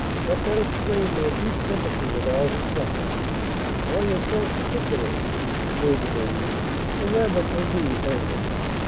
Let that explain my deep sympathy with all who suffer, and for yourself particularly, Fleur de Marie, or, rather, Marie only.